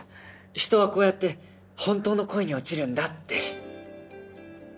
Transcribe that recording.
人はこうやって本当の恋に落ちるんだって。